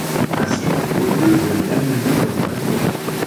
Ainsi, au lieu Je l'ai emmené dans un restaurant.